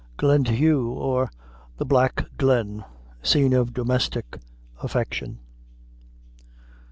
Glendhu, or the Black Glen; Scene of Domestic Affection.